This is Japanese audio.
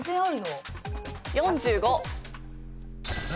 ４５。